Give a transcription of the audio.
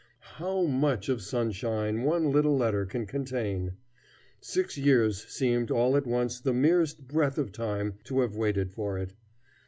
How much of sunshine one little letter can contain! Six years seemed all at once the merest breath of time to have waited for it.